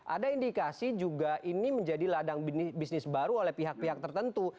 ada indikasi juga ini menjadi ladang bisnis baru oleh pihak pihak tertentu